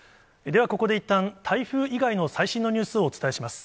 では、ここでいったん台風以外の最新のニュースをお伝えします。